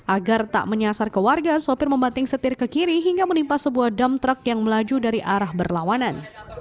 agar tak menyasar ke warga sopir membating setir ke kiri hingga menimpa sebuah dam truck yang melaju dari arah berlawanan